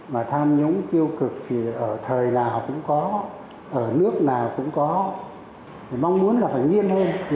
mà tham nhũng tiêu cực thì ở thời nào cũng có ở nước nào cũng có mong muốn là phải nghiên hơn